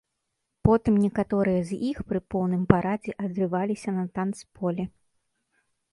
Потым некаторыя з іх пры поўным парадзе адрываліся на танцполе.